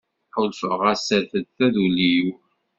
Ḥulfaɣ-as terfed taduli-w.